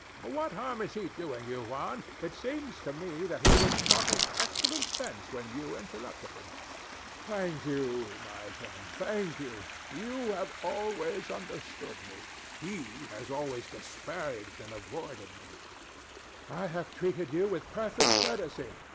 What harm is he doing you, Juan? It seems to me that he was talking excellent sense when you interrupted him. THE DEVIL. [warmly shaking the statue's hand] Thank you, my friend: thank you. You have always understood me: he has always disparaged and avoided me. DON JUAN. I have treated you with perfect courtesy.